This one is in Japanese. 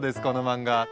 この漫画。